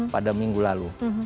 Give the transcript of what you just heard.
pada minggu lalu